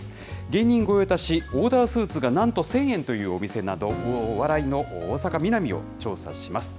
芸人御用達、オーダースーツがなんと１０００円というお店など、お笑いの大阪・ミナミを調査します。